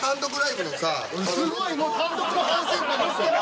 すごいもう単独の反省会になってる。